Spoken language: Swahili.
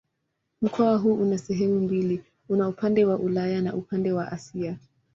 Mkoa huu una sehemu mbili: una upande wa Ulaya na upande ni Asia.